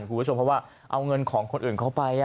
คุณผู้ชมเพราะว่าเอาเงินของคนอื่นเข้าไป